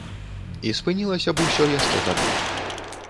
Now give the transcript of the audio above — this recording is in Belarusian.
І спынілася б усё яшчэ тады.